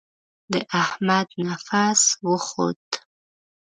د احمد نفس وخوت.